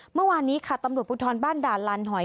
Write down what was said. เมื่อวานนี้ค่ะตำรวจภูทรบ้านด่านลานหอย